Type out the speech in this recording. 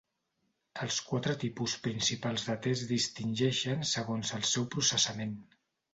Els quatre tipus principals de te es distingeixen segons el seu processament.